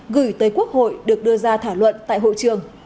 gửi tới quốc hội được đưa ra thảo luận tại hội trường